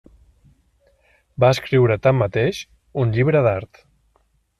Va escriure tanmateix un llibre d'art.